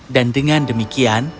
dan dengan demikian